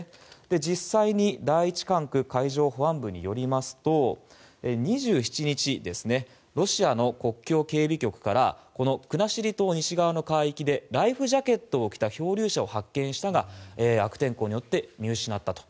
実際に第１管区海上保安本部によりますと２７日、ロシアの国境警備局から国後島西側の海域でライフジャケットを着た漂流者を発見したが悪天候によって見失ったと。